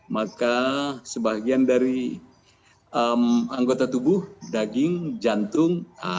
maka sebagian dari anggota tubuh daging jantung